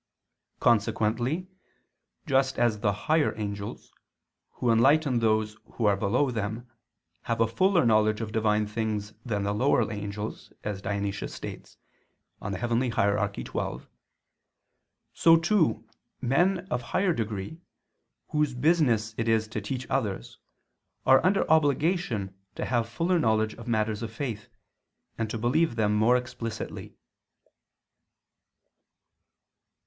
Consequently, just as the higher angels, who enlighten those who are below them, have a fuller knowledge of Divine things than the lower angels, as Dionysius states (Coel. Hier. xii), so too, men of higher degree, whose business it is to teach others, are under obligation to have fuller knowledge of matters of faith, and to believe them more explicitly.